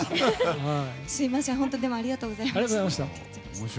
すみません、本当にありがとうございました。